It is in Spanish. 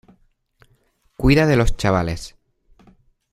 cuida de los chavales.